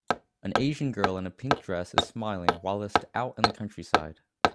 An Asian girl in a pink dress is smiling whilst out in the countryside